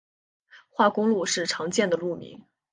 化工路是常见的路名。